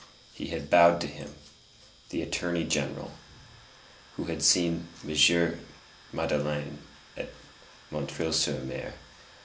he had bowed to him; the attorney general, who had seen M. Madeleine at M. sur M.